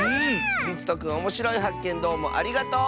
りつとくんおもしろいはっけんどうもありがとう！